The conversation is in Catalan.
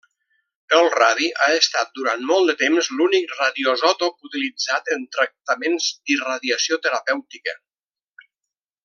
El radi ha estat durant molt de temps l'únic radioisòtop utilitzat en tractaments d'irradiació terapèutica.